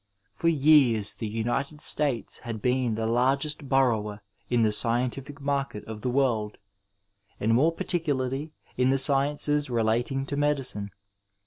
For years the United States had been the largest borrower in the scientifi.c market of the world, and more particularly in the sciences relating to medicine.